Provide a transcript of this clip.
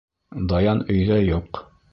Даян өйҙә юҡ.